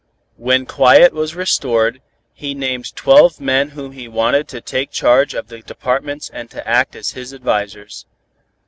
When quiet was restored, he named twelve men whom he wanted to take charge of the departments and to act as his advisors.